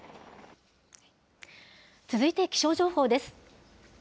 続いて気象情報です。